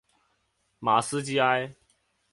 马斯基埃。